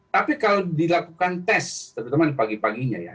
tapi kalau dilakukan tes terutama di pagi paginya ya